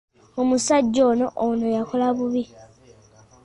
Omusajja nno ono yankola bubi.